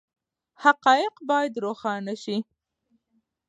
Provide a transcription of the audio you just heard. حقایق باید روښانه شي.